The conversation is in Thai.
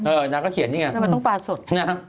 เออนางเขาเขียนนี่ไงนางมันต้องปาสด